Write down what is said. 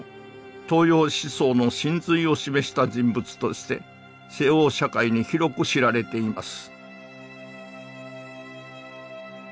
東洋思想の真髄を示した人物として西欧社会に広く知られています